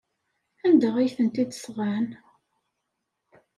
Anda ay tent-id-sɣan?